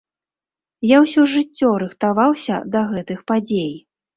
Я ўсё жыццё рыхтаваўся да гэтых падзей.